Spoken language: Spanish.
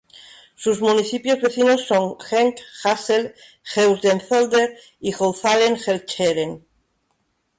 Sus municipios vecinos son Genk, Hasselt, Heusden-Zolder y Houthalen-Helchteren.